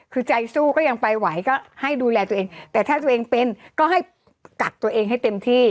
คือใจสู้ก็ยังไปไหวก็ให้ดูแลตัวเองแต่ถ้าตัวเองเป็นก็ให้กักตัวเองให้เต็มที่